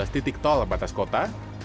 tiga belas titik tol batas kota